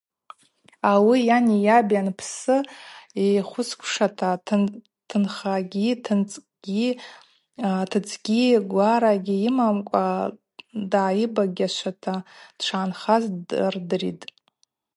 Ауи йани йаби анпсы йхвысквшата, тынхагьи-тынцӏгьи, тыдзгьи, гварагьи йымамкӏва дйыбагьашвата дшгӏанхаз рдыритӏ.